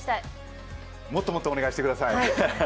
もっとお願いしてください。